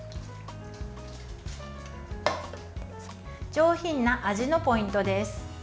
上品な味のポイントです。